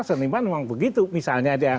seniman memang begitu misalnya